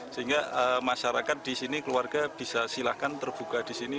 sehingga masyarakat di sini keluarga bisa silahkan terbuka di sini